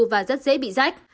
và rất dễ bị rách